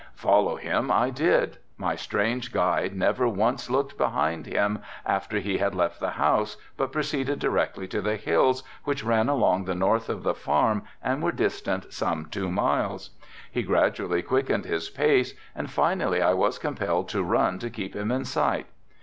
Follow him I did. My strange guide never once looked behind him after he had left the house but proceeded directly to the hills, which ran along the north of the farm and were distant some two miles. He gradually quickened his pace and finally I was compelled to run to keep him in sight.